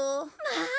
まあ！